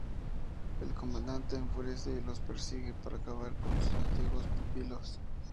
El Comandante enfurece y los persigue para acabar con sus antiguos pupilos.